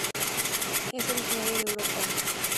Es originario de Europa.